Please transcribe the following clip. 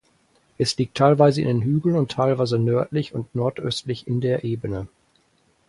Es liegt teilweise in den Hügeln und teilweise nördlich und nordöstlich in der Ebene.